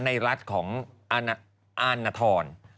ในรัฐของอาณฑร